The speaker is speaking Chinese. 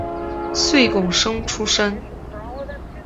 岁贡生出身。